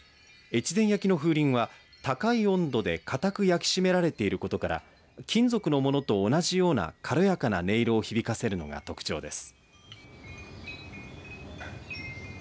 越前焼の風鈴は高い温度で固く焼き締められていることから金属のものと同じような軽やかな音色を響かせるのが特徴です。